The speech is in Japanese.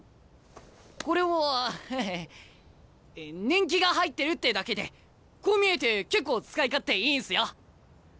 年季が入ってるってだけでこう見えて結構使い勝手いいんすよ！